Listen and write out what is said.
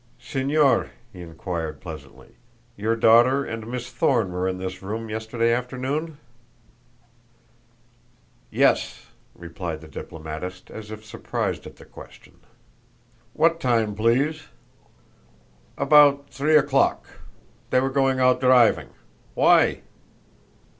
"Señor," he inquired pleasantly, "your daughter and Miss Thorne were in this room yesterday afternoon?" "Yes," replied the diplomatist as if surprised at the question. "What time, please?" "About three o'clock. They were going out driving. Why?"